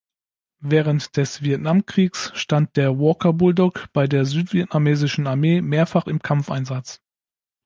Während des Vietnamkriegs stand der Walker Bulldog bei der südvietnamesischen Armee mehrfach im Kampfeinsatz.